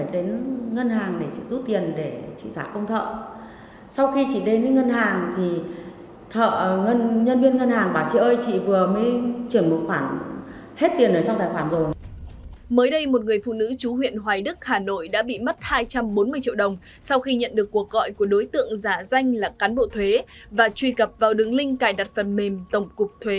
đến cuối tháng thì chị cũng phải đến ngân hàng để chị rút tiền để chị giả công thợ